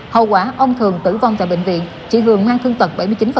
hậu quả ông thường tử vong tại bệnh viện chị hường mang thương tật bảy mươi chín